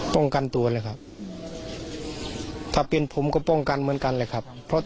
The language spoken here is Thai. ผู้ใหญ่ไปยิงสวนเข้าไป